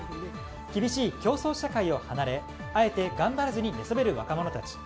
厳しい競争社会を離れあえて頑張らずに寝そべる若者たち。